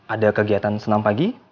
ada kegiatan senam pagi